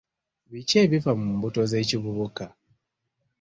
Biki ebiva mu mbuto z'ekivubuka?